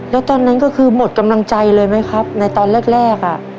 แล้วตอนนั้นก็คือหมดกำลังใจเลยไหมครับในตอนแรก